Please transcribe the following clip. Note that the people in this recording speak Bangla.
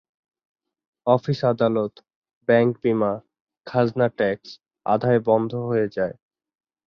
অফিস-আদালত, ব্যাংক-বীমা, খাজনা-ট্যাক্স আদায় বন্ধ হয়ে যায়।